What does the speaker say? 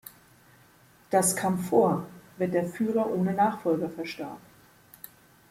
Das kam vor, wenn der Führer ohne Nachfolger verstarb.